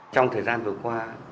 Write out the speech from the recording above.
trong thời gian vừa qua